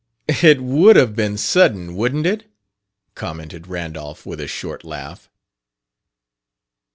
"It would have been sudden, wouldn't it?" commented Randolph, with a short laugh.